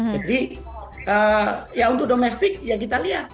jadi ya untuk domestik ya kita lihat